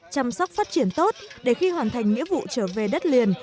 chăm sóc phát triển tốt để khi hoàn thành nghĩa vụ trở về đất liền